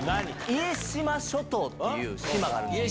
家島諸島っていう島があるんです。